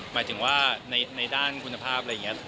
หมายถึงว่าในด้านคุณภาพอะไรอย่างนี้